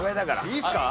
いいっすか？